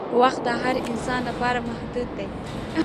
وخت د هر انسان لپاره محدود دی